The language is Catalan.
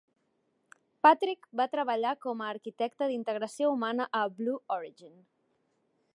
Patrick va treballar com a arquitecte d'integració humana a Blue Origin.